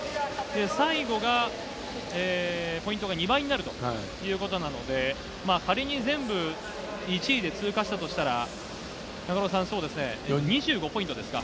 最後が、ポイントが２倍になるということなので、仮に全部１位で通過したとしたら、中野さん、２５ポイントですか。